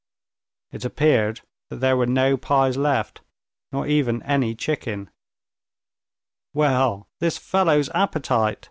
It appeared that there were no pies left, nor even any chicken. "Well, this fellow's appetite!"